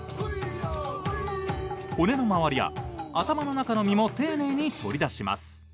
骨の周りや頭の中の身も丁寧に取り出します。